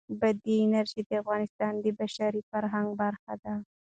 بادي انرژي د افغانستان د بشري فرهنګ برخه ده.